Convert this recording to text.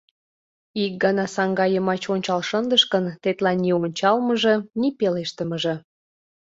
Ик гана саҥга йымач ончал шындыш гын, тетла ни ончалмыже, ни пелештымыже.